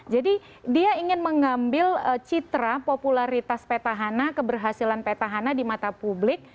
dia ingin mengambil citra popularitas petahana keberhasilan petahana di mata publik